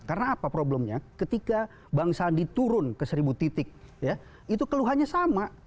karena apa problemnya ketika bangsa diturun ke seribu titik ya itu keluhannya sama